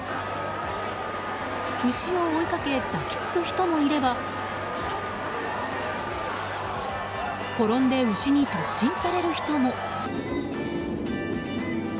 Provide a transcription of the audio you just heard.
牛を追いかけ抱き着く人もいれば転んで牛に突進される人も。